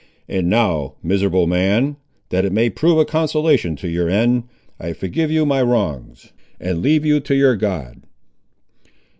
"And now, miserable man, that it may prove a consolation to your end, I forgive you my wrongs, and leave you to your God."